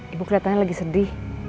ibu keliatannya lagi sedih